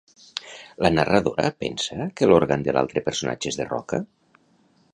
La narradora pensa que l'òrgan de l'altre personatge és de roca?